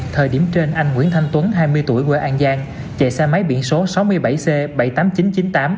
thời điểm trên anh nguyễn thanh tuấn hai mươi tuổi quê an giang chạy xe máy biển số sáu mươi bảy c bảy mươi tám nghìn chín trăm chín mươi tám